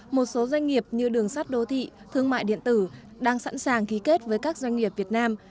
một số doanh nghiệp như đường sắt đô thị thương mại điện tử đang sẵn sàng ký kết với các doanh nghiệp việt nam